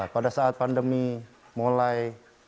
pada saat pandemi mulai